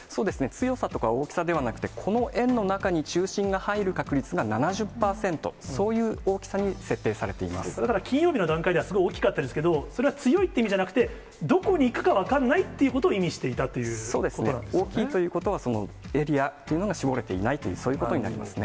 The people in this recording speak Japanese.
強さとか大きさではなくて、この円の中に中心が入る確率が７０％、そういう大きだから、金曜日の段階では、すごい大きかったですけれども、それは強いって意味じゃなくて、どこに行くか分からないということを意味して大きいことは、エリアが絞れていないと、そういうことになりますね。